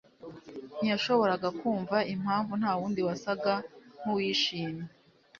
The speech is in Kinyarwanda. ntiyashoboraga kumva impamvu ntawundi wasaga nkuwishimye.